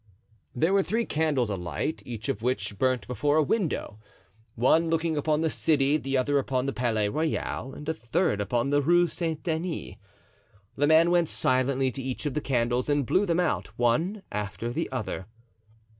There were three candles alight, each of which burnt before a window, one looking upon the city, the other upon the Palais Royal, and a third upon the Rue Saint Denis. The man went silently to each of the candles and blew them out one after the other.